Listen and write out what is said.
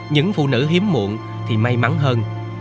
những phụ nữ hiếm muộn thì may mắn hơn